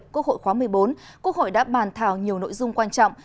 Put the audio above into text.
quốc hội khóa một mươi bốn quốc hội đã bàn thảo nhiều nội dung quan trọng